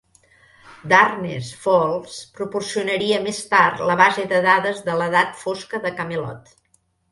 "Darkness Falls" proporcionaria més tard la base de dades de "L'edat fosca de Camelot".